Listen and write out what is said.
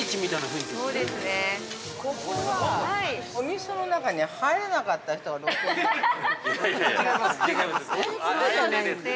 ◆ここはお店の中に入れなかった人が露店で？